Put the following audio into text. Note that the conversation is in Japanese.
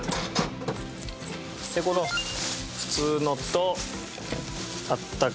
でこの普通のとあったかいのと。